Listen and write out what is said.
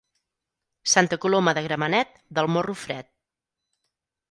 Santa Coloma de Gramenet, del morro fred.